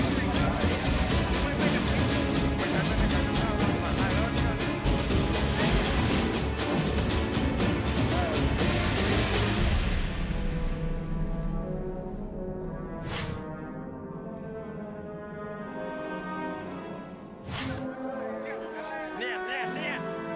เนี่ยเนี่ยเนี่ย